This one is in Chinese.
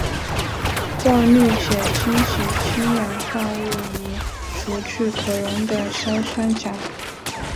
过滤且清洗氢氧化物以除去可溶的硝酸钾。